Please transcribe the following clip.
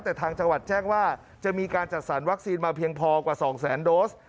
แต่ทางจังหวัดแจ้งว่าจะมีการจัดสรรวัคซีนมาเพียงพอกว่า๒แสนโดส